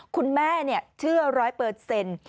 คุณแม่เชื่อร้อยเปอร์เซ็นต์